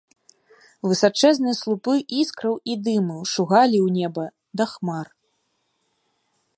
Высачэзныя слупы іскраў і дыму шугалі ў неба да хмар.